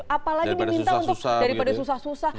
apalagi diminta untuk daripada susah susah